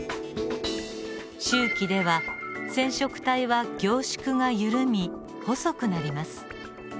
終期では染色体は凝縮が緩み細くなります。